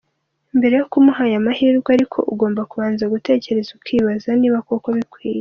Mbere yo kumuha ayo mahirwe ariko ugomba kubanza gutekereza ukibaza niba koko bikwiye.